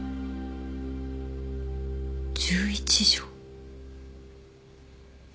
１１条。